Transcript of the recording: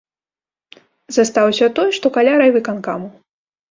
Застаўся той, што каля райвыканкаму.